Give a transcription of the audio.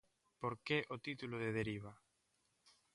Por que o título de 'deriva'?